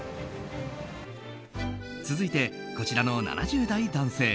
続いて、こちらの７０代男性。